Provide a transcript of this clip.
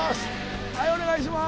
はいお願いしまーす。